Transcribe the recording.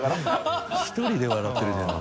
１人で笑ってるじゃない。